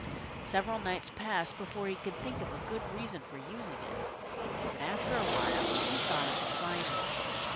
Several nights passed before he could think of a good reason for using it. But after a while he thought of a fine one.